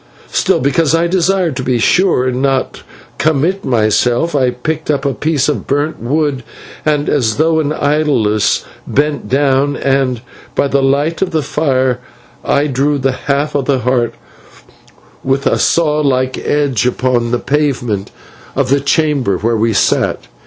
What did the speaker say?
Still, because I desired to be sure, and not commit myself, I picked up a piece of burnt wood, and, as though in idleness, bent down, and, by the light of the fire, I drew the half of a heart with a saw like edge upon the pavement of the chamber where we sat.